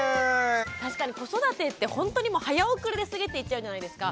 確かに子育てってほんとにもう早送りで過ぎていっちゃうじゃないですか。